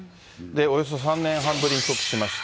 およそ３年半ぶりに帰国しました。